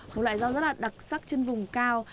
một loại rau rất là đặc sắc trên vùng cao